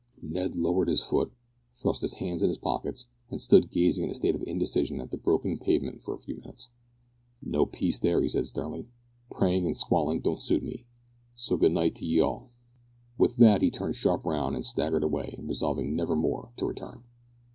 Ned lowered his foot, thrust his hands into his pockets, and stood gazing in a state of indecision at the broken pavement for a few minutes. "No peace there," he said, sternly. "Prayin' an' squallin' don't suit me, so good night to 'ee all." With that he turned sharp round, and staggered away, resolving never more to return!